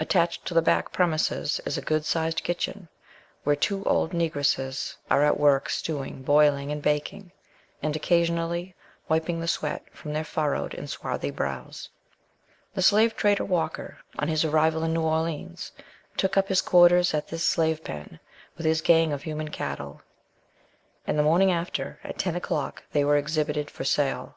Attached to the back premises is a good sized kitchen, where two old Negresses are at work, stewing, boiling, and baking, and occasionally wiping the sweat from their furrowed and swarthy brows. The slave trader Walker, on his arrival in New Orleans, took up his quarters at this slave pen with his gang of human cattle: and the morning after, at ten o'clock, they were exhibited for sale.